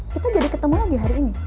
kita jadi ketemu lagi hari ini